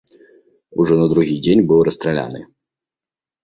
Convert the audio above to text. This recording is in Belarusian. Ужо на другі дзень быў расстраляны.